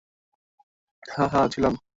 হ্যাঁ, হ্যাঁ, ছিলাম।